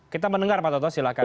kita mendengar pak toto silahkan